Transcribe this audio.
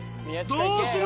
どうする？